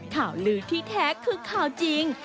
ข่าวลือที่แท้คือข่าวจริง